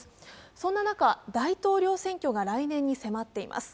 そんな中、大統領選挙が来年に迫っています。